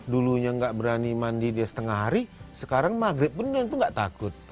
dulunya nggak berani mandi dia setengah hari sekarang maghrib beneran itu nggak takut